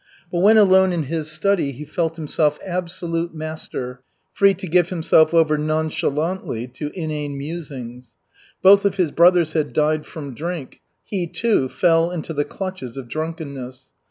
But when alone in his study he felt himself absolute master, free to give himself over nonchalantly to inane musings. Both of his brothers had died from drink. He, too, fell into the clutches of drunkenness.